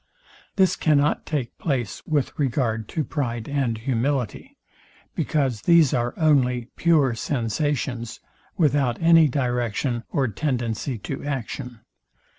This cannot take place with regard to pride and humility; because these are only pure sensations, without any direction or tendency to action.